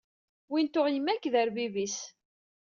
Win tuɣ yemma nekk d arbib-is.